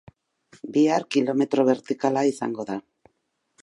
Bihar kilometro bertikala izango da.